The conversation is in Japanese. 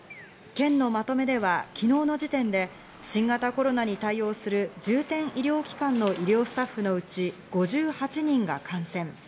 県のまとめでは昨日の時点で新型コロナに対応する重点医療機関の医療スタッフのうち、５８人が感染。